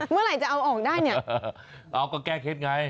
เมื่อไหร่จะเอาออกได้เนี่ยเอาก็แก้เคล็ดไง